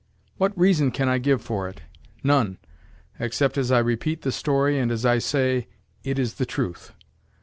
What reason can I give for it? None, except as I repeat the story and as I say: "It is the truth."